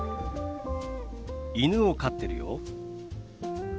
犬を飼ってるよ。